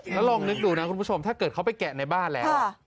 แล้วลองนึกดูนะคุณผู้ชมถ้าเกิดเขาไปแกะในบ้านแล้ว